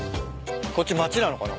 こっち町なのかな？